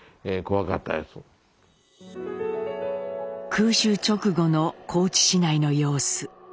空襲直後の高知市内の様子。